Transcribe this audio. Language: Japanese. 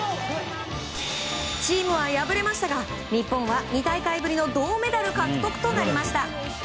チームは敗れましたが日本は２大会ぶりの銅メダル獲得となりました。